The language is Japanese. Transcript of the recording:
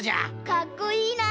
かっこいいな！